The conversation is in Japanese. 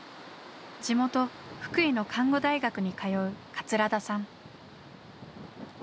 地元福井の看護大学に通う桂田さん。